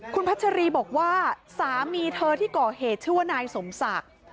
คุณพัชรีบอกว่าสามีเธอที่ก่อเหตุชื่อว่านายสมศักดิ์